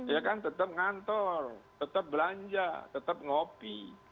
ya kan tetap ngantor tetap belanja tetap ngopi